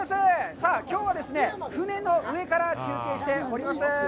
さあ、きょうはですね、船の上から中継しております。